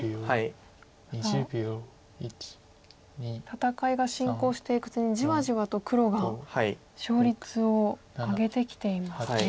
戦いが進行していくうちにじわじわと黒が勝率を上げてきていますね。